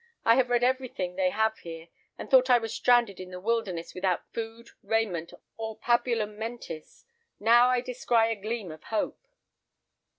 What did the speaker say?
I have read everything they have here, and thought I was stranded in the wilderness without food, raiment, or pabulum mentis. Now I descry a gleam of hope."